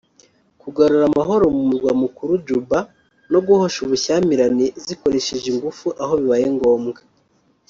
kugarura amahoro mu murwa mukuru Juba no guhosha ubushyamirane zikoresheje ingufu aho bibaye ngombwa